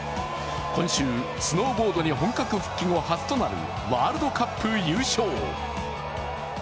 今週、スノーボードに本格復帰後初となるワールドカップ優勝。